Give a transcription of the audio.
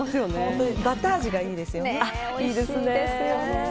大人でもバター味がいいですよね。